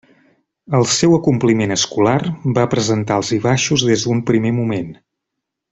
El seu acompliment escolar va presentar alts i baixos des d'un primer moment.